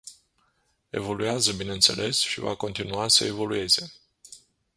Evoluează, bineînțeles, și va continua să evolueze.